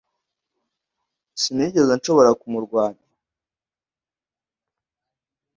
Sinigeze nshobora kumurwanya